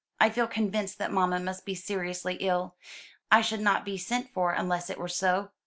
"I feel convinced that mamma must be seriously ill; I should not be sent for unless it were so.